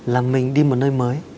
là mình đi một nơi mới